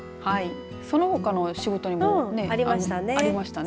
そのほかの仕事にもありましたね。